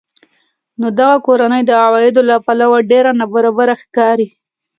نو دغه کورنۍ د عوایدو له پلوه ډېره نابرابره ښکاري